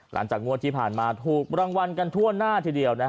หลังจากงวดที่ผ่านมาถูกรางวัลกันทั่วหน้าทีเดียว